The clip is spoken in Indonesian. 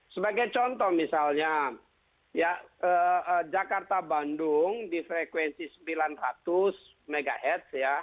sebagai contoh misalnya jakarta bandung di frekuensi sembilan ratus mhz